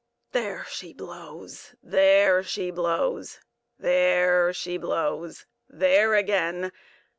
There she blows! there she blows!—there she blows! There again!